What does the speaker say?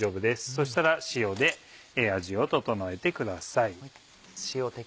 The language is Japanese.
そしたら塩で味を調えてください。